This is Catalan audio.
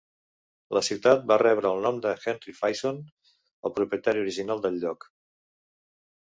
La ciutat va rebre el nom de Henry Faison, el propietari original del lloc.